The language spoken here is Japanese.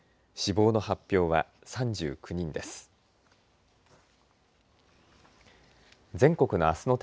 死亡の発表は３９人です。